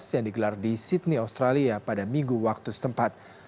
yang digelar di sydney australia pada minggu waktu setempat